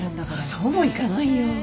そうもいかないよ。